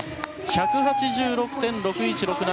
１８６．６１６７。